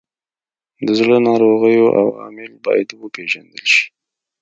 د زړه ناروغیو عوامل باید وپیژندل شي.